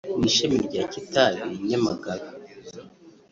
n’ ishami rya Kitabi( Nyamagabe)